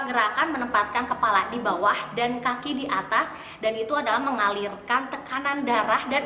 gerakan menempatkan kepala di bawah dan kaki di atas dan itu adalah mengalirkan tekanan darah dan